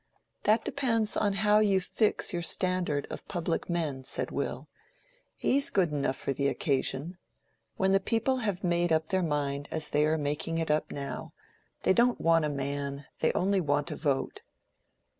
"That depends on how you fix your standard of public men," said Will. "He's good enough for the occasion: when the people have made up their mind as they are making it up now, they don't want a man—they only want a vote."